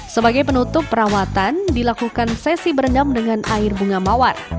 sebagai penutup perawatan dilakukan sesi berendam dengan air bunga mawar